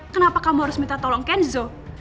kenapa kamu harus minta tolong kenzo